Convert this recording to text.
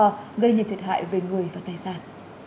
nhưng không thể thuyết hại về người và tài sản